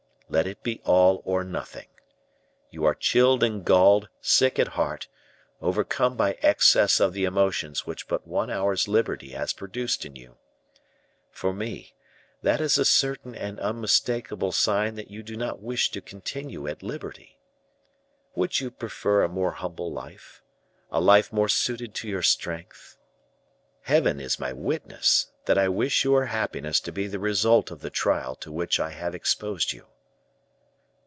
Let it be all or nothing. You are chilled and galled, sick at heart, overcome by excess of the emotions which but one hour's liberty has produced in you. For me, that is a certain and unmistakable sign that you do not wish to continue at liberty. Would you prefer a more humble life, a life more suited to your strength? Heaven is my witness, that I wish your happiness to be the result of the trial to which I have exposed you."